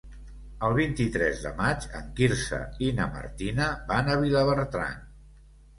El vint-i-tres de maig en Quirze i na Martina van a Vilabertran.